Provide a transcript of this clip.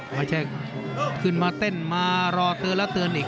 ไม่ใช่ขึ้นมาเต้นมารอเตือนแล้วเตือนอีก